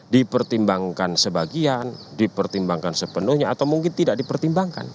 dipertimbangkan sebagian dipertimbangkan sepenuhnya atau mungkin tidak dipertimbangkan